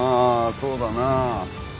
そうだな。